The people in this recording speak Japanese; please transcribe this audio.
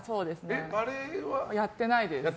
やってないです。